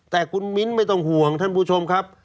แต่คุณมิ้นไม่ต้องห่วงท่านผู้ชมครับ